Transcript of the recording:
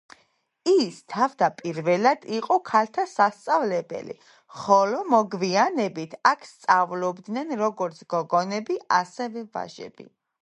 ის თავდაპირველად იყო ქალთა სასწავლებელი, ხოლო მოგვიანებით აქ სწავლობდნენ როგორც გოგონები, ასევე ვაჟები.